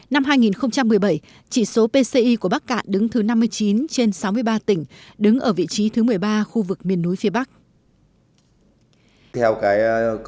năm hai nghìn một mươi bảy chỉ số pci của bắc cạn đứng thứ năm mươi chín trên sáu mươi ba tỉnh đứng ở vị trí thứ một mươi ba khu vực miền núi phía bắc